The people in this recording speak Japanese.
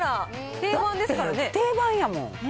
定番やもん。